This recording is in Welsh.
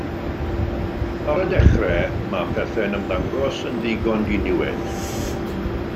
Ar y dechrau, mae pethau'n ymddangos yn ddigon diniwed.